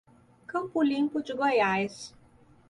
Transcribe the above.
Campo Limpo de Goiás